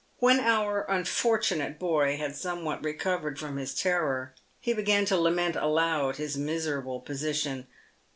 When our unfortunate boy had somewhat recovered from his terror, he began to lament aloud his miserable position.